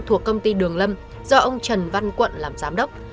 thuộc công ty đường lâm do ông trần văn quận làm giám đốc